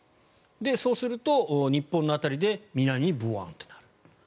そうすると日本の辺りで南にボワンとなる。